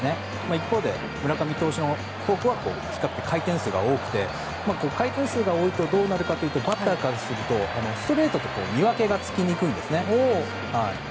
一方で村上投手のフォークは比較的回転数が多くて回転数が多いとどうなるかというとバッターからするとストレートと見分けがつきにくいんですね。